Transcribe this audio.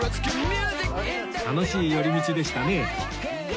楽しい寄り道でしたね